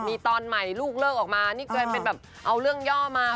มีตอนใหม่ลูกเลิกออกมานี่กลายเป็นแบบเอาเรื่องย่อมา